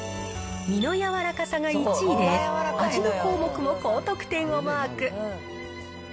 身の柔らかさが１位で、味の項目も高得点をマーク。